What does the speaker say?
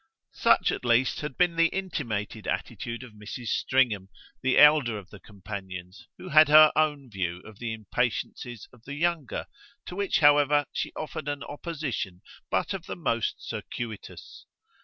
Such at least had been the intimated attitude of Mrs. Stringham, the elder of the companions, who had her own view of the impatiences of the younger, to which, however, she offered an opposition but of the most circuitous.